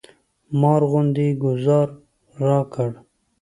مار غوندې یې ګوزار راکړ.